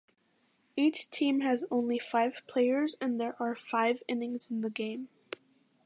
Each team has only five players and there are five innings in the game.